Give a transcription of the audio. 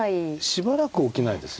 しばらく起きないですよね。